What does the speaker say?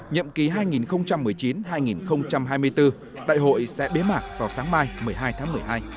nhậm ký hai nghìn một mươi chín hai nghìn hai mươi bốn đại hội sẽ bế mạc vào sáng mai một mươi hai tháng một mươi hai